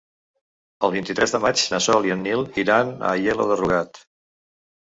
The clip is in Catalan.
El vint-i-tres de maig na Sol i en Nil iran a Aielo de Rugat.